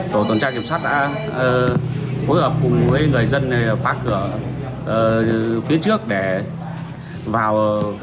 tổ tổn trang kiểm soát đã phối hợp cùng với người dân phát cửa phía trước để vào